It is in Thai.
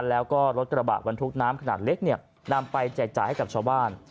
แล้วก็รถกระบะบรรทุกน้ำขนาดเล็กเนี่ยนำไปแจกจ่ายให้กับชาวบ้าน